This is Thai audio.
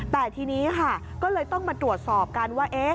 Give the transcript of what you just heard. แต่ทีนี้ค่ะก็เลยต้องมาตรวจสอบกันว่า